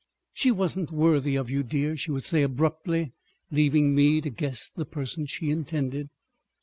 "She wasn't worthy of you, dear," she would say abruptly, leaving me to guess the person she intended.